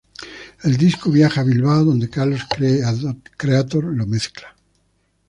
El disco viaja a Bilbao donde Carlos Creator lo mezcla.